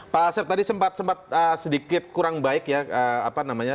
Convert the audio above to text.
pak asyaf tadi sempat sedikit kurang baik ya